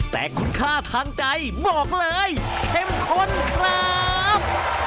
แต่คุณค่าทางใจบอกเลยเข้มข้นครับ